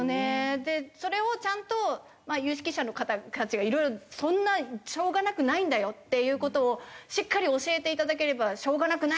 でそれをちゃんと有識者の方たちがいろいろそんなしょうがなくないんだよっていう事をしっかり教えていただければ「しょうがなくない！」